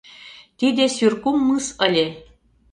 Тиде Сюркум мыс ыле.